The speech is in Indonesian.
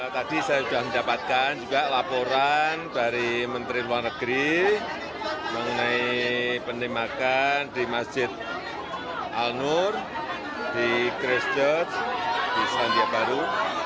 tadi saya sudah mendapatkan juga laporan dari menteri luar negeri mengenai penembakan di masjid al nur di christchurch di selandia baru